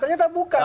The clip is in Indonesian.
ternyata bukan gitu